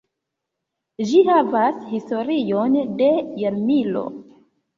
Ĝi havas historion de jarmilo.